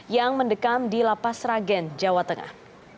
yang mendekam di lapas ragen jawa tengah